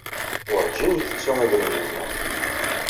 Werjin nttettu idrimen-nneɣ.